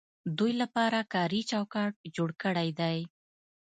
دوی لپاره کاري چوکاټ جوړ کړی دی.